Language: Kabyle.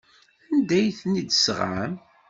Anda ay ten-id-tesɣam?